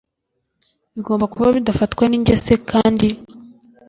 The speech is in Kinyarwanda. bigomba kuba bidafatwa n ingese kandi